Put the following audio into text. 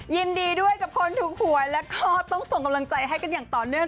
ยินดีด้วยกับคนถูกหวยแล้วก็ต้องส่งกำลังใจให้กันอย่างต่อเนื่อง